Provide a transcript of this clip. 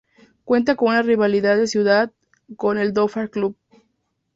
Cuenta con una rivalidad de ciudad con el Dhofar Club.